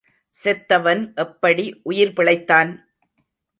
செத்தவன் எப்படி உயிர் பிழைத்தான்?